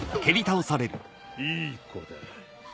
いい子だ。